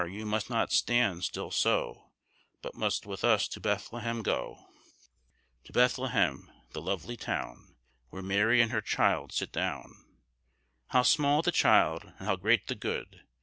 you must not stand still so, &c. But must with us to Bethlehem go, &c. To Bethlehem, the lovely town, &c. Where Mary and her child sit down, &c. How small the child, and how great the good, &c.